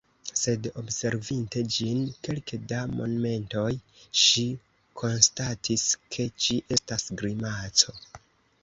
Sed observinte ĝin kelke da momentoj, ŝi konstatis ke ĝi estas grimaco.